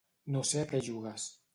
No sé a què jugues.